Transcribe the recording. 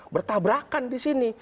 bertabrakan di sini